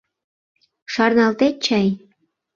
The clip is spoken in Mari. Шарналтет чай?